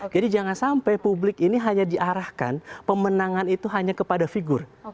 jadi jangan sampai publik ini hanya diarahkan pemenangan itu hanya kepada figur